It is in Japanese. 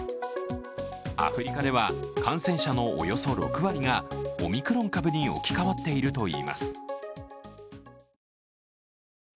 アフリカでは感染者のおよそ６割がオミクロン株に置き換わっているといいます。